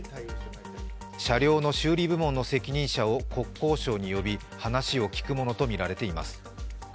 車両の修理部門の責任者を国交省に呼び話を聞くものとみられています。